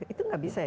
itu tidak bisa ya